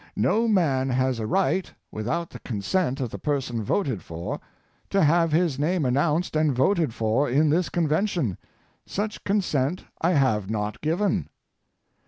No man has a right, without the consent of the person voted for, to have his name announced and voted for in this Convention. Such consent I have not given."